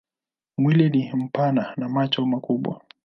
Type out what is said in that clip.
Mwili ni mpana na macho makubwa.